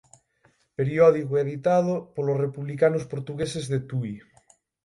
Periódico editado polos republicanos portugueses de Tui.